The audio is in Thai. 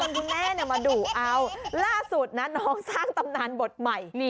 คุณแม่มาดุเอาล่าสุดนะน้องสร้างตำนานบทใหม่